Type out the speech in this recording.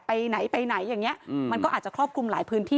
ไหนไปไหนอย่างเงี้ยมันก็อาจจะครอบคลุมหลายพื้นที่